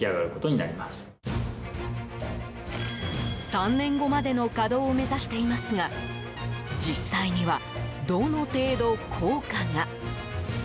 ３年後までの稼働を目指していますが実際にはどの程度、効果が。